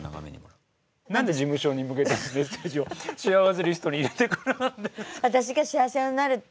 なんで事務所に向けたメッセージをしあわせリストに入れてくるんですか？